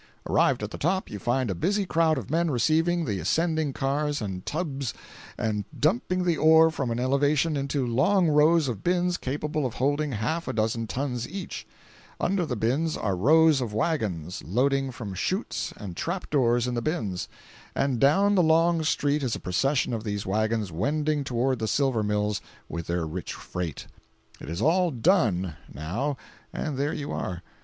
Arrived at the top, you find a busy crowd of men receiving the ascending cars and tubs and dumping the ore from an elevation into long rows of bins capable of holding half a dozen tons each; under the bins are rows of wagons loading from chutes and trap doors in the bins, and down the long street is a procession of these wagons wending toward the silver mills with their rich freight. It is all "done," now, and there you are.